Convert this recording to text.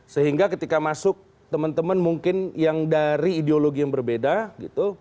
sehingga ketika masuk teman teman mungkin yang dari ideologi yang berbeda gitu